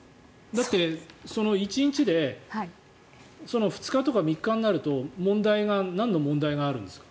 だって、１日で２日とか３日になるとなんの問題があるんですか。